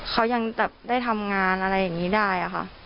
เขายังแบบได้ทำงานอะไรอย่างนี้ได้ค่ะ